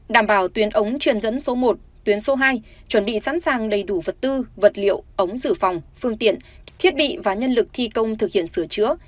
đảm bảo tuyến ống truyền dẫn số một tuyến số hai chuẩn bị sẵn sàng đầy đủ vật tư vật liệu ống dự phòng phương tiện thiết bị và nhân lực thi công thực hiện sửa chữa